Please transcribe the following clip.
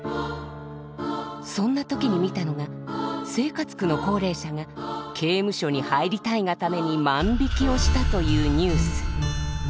そんな時に見たのが生活苦の高齢者が刑務所に入りたいがために万引きをしたというニュース。